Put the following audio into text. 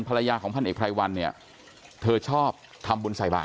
ภรรยาของพันเอกไพรวันเนี่ยเธอชอบทำบุญใส่บาท